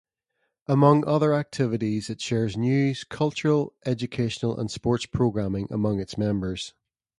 Among other activities, it shares news, cultural, educational and sports programming among its members.